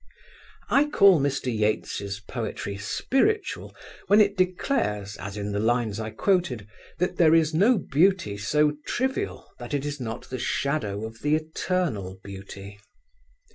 I call Mr. Yeats' poetry spiritual when it declares, as in the lines I quoted, that there is no beauty so trivial that it is not the shadow of the Eternal Beauty.